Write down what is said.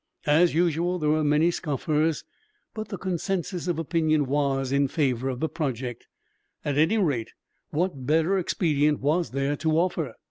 As usual, there were many scoffers, but the consensus of opinion was in favor of the project. At any rate, what better expedient was there to offer?